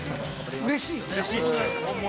◆うれしいよね。